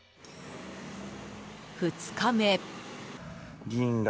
２日目。